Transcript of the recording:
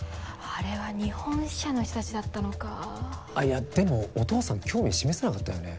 あれは日本支社の人達だったのかいやでもお父さん興味示さなかったよね